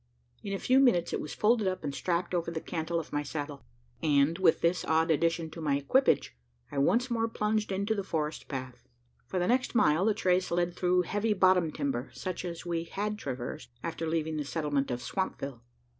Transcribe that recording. In a few minutes, it was folded up, and strapped over the cantle of my saddle; and, with this odd addition to my equipage, I once more plunged into the forest path. For the next mile, the trace led through heavy bottom timber, such as we had traversed, after leaving the settlement of Swampville.